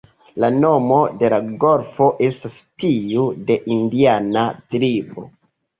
La nomo de la golfo estas tiu de indiana tribo.